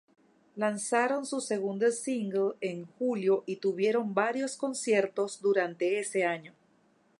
Lanzaron su segundo single en julio y tuvieron varios conciertos durante ese año.